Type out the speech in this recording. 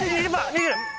２０！